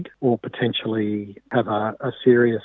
atau mungkin memiliki operasi yang serius